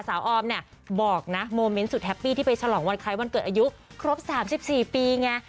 ออมเนี่ยบอกนะโมเมนต์สุดแฮปปี้ที่ไปฉลองวันคล้ายวันเกิดอายุครบ๓๔ปีไง